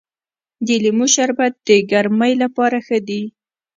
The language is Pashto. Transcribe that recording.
د لیمو شربت د ګرمۍ لپاره ښه دی.